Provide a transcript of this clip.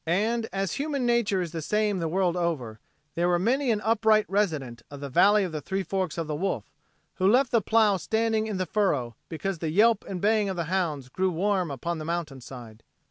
And as human nature is the same the world over, there was many an upright resident of the "Valley of the Three Forks o' the Wolf" who left the plow standing in the furrow because the yelp and baying of the hounds grew warm upon the mountainside.